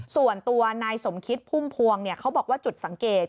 ส่วนตัวนายสมคิดพุ่มพวงเขาบอกว่าจุดสังเกต